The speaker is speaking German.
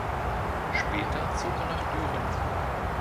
Später zog er nach Düren.